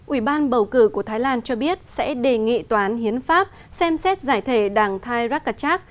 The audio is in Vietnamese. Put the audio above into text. ủy ban bầu cử của thái lan cho biết sẽ đề nghị toán hiến pháp xem xét giải thể đảng thai rakachak